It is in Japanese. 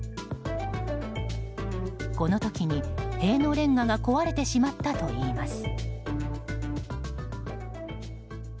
この時に、塀のレンガが壊れてしまったといいます。